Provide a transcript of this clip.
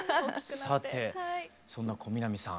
さてそんな小南さん。